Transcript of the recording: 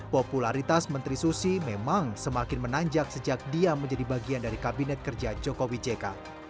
popularitas menteri susi memang semakin menanjak sejak dia menjadi bagian dari kabinet kerja jokowi jk